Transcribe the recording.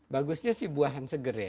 bagusnya sih buahan seger ya